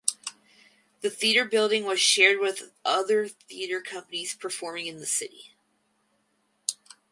The theatre building was shared with other theatre companies performing in the city.